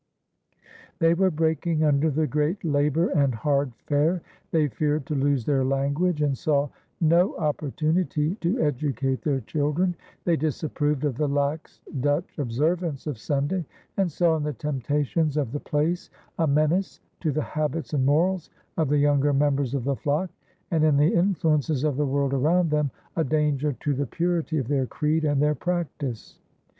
They were breaking under the great labor and hard fare; they feared to lose their language and saw no opportunity to educate their children; they disapproved of the lax Dutch observance of Sunday and saw in the temptations of the place a menace to the habits and morals of the younger members of the flock, and, in the influences of the world around them, a danger to the purity of their creed and their practice.